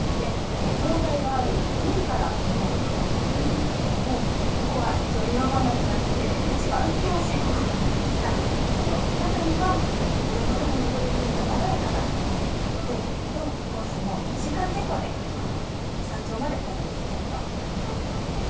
この灯台がある海から登るコースだったんですけれども、ここは一応、岩場などがあって、いちばん険しいコースだったんですが、この中には、子どもでも登れるようななだらかなコースもあって、どのコースも２時間前後で山頂までたどりつけるということなんです。